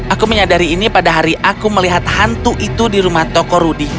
aku menyadari ini pada hari aku melihat hantu itu di rumah toko rudy